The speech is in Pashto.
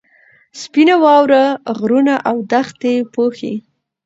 سپینه واوره غرونه او دښتې پوښي.